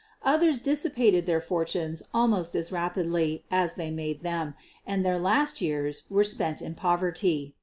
Oth ers dissipated their fortunes almost as rapidly as they made them and their last years were spent in poverty.